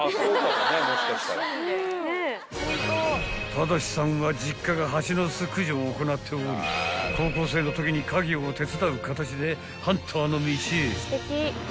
［周士さんは実家がハチの巣駆除を行っており高校生のときに家業を手伝う形でハンターの道へ］